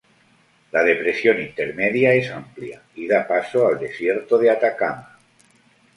La Depresión Intermedia es amplia y da paso al Desierto de Atacama.